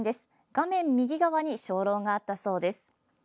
画面右側に鐘楼があったそうです。